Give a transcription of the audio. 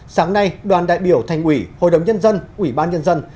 sáng nay đoàn đại biểu thành ủy hội đồng nhân dân ủy ban nhân dân